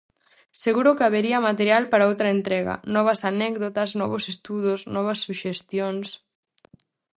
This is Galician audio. Seguro que habería material para outra entrega, novas anécdotas, novos estudos, novas suxestións.